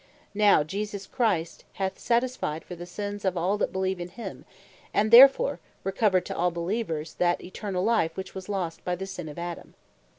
Now Jesus Christ hath satisfied for the sins of all that beleeve in him; and therefore recovered to all beleevers, that ETERNALL LIFE, which was lost by the sin of Adam.